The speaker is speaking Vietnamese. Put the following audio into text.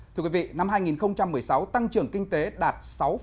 thưa quý vị năm hai nghìn một mươi sáu tăng trưởng kinh tế đạt sáu năm